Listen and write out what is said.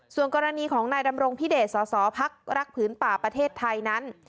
ส่วนกรณีของนายดำรงพิเดชสสพักรักผืนป่าประเทศไทยนั้น